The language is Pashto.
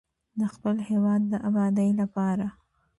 د خپل هیواد د ابادۍ لپاره.